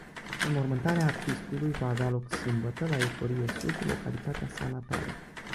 Înmormântarea artistului va avea loc sâmbătă, la Eforie Sud, localitatea sa natală.